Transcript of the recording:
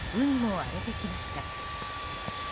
荒れてきました。